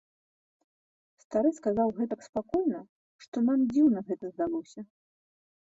Стары сказаў гэтак спакойна, што нам дзіўна гэта здалося.